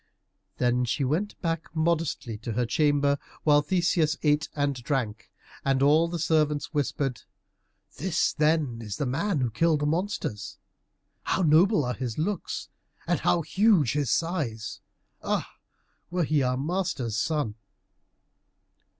Then she went back modestly to her chamber, while Theseus ate and drank, and all the servants whispered, "This, then, is the man who killed the monsters! How noble are his looks, and how huge his size! Ah, would he were our master's son!"